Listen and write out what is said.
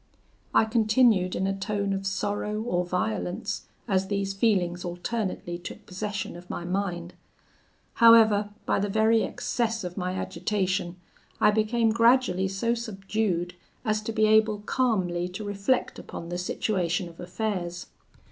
"I continued in a tone of sorrow or violence, as these feelings alternately took possession of my mind. However, by the very excess of my agitation, I became gradually so subdued as to be able calmly to reflect upon the situation of affairs.